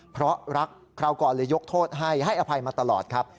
เพราะรักคราวก่อนเลยยกโทษให้ให้อภัยมาตลอดครับ